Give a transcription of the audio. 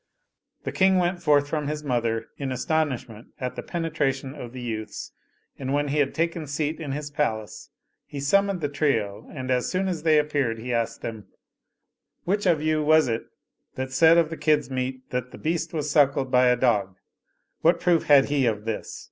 The King went forth from his mother in astonishment at the penetration of the youths and, when he had taken seat in his palace, he summoned the trio and as soon as they appeared he asked them :" Which of you was it that said of the kid's meat that the beast was suckled by a dog ? What proof had he of this